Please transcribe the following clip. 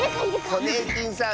ホネーキンさん